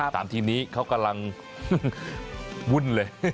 ทีมนี้เขากำลังวุ่นเลย